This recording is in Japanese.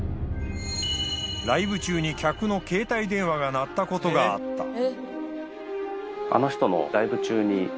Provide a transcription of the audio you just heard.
ライブ中に客の携帯電話が鳴ったことがあったただ。